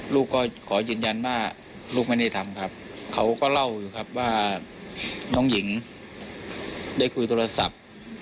ลูกก็ขอยืนยันว่าลูกไม่ได้ทำครับเขาก็เล่าอยู่ครับว่าน้องหญิงได้คุยโทรศัพท์